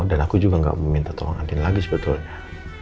dan aku juga gak mau minta tolongappyin lagi sebetulnya